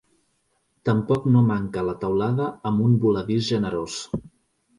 Tampoc no manca la teulada amb un voladís generós.